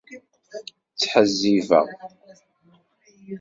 Ttḥezzibeɣ.